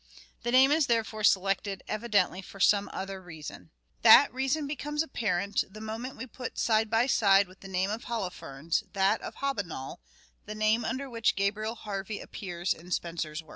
The name is therefore selected evidently for some other reason. That reason becomes apparent the moment we put side by side with the name of Holofernes that of Hobbinol, the name under which Gabriel Harvey appears in Spenser's works.